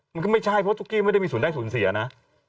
มันก็ไม่ใช่เพราะว่าตุ๊กกี้ไม่ได้มีศูนย์ได้ศูนย์เสียนะ